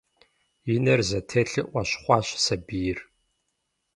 И нэр зэтелъу Ӏуэщхъуащ сабийр.